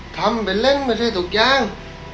ทำเป็นเล้งไม่ใช่ทุกอย่าง